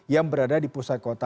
yang berada di pusat kota